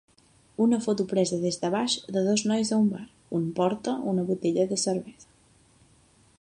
Una foto presa des de baix de dos nois a un bar, un porta una botella de cervesa.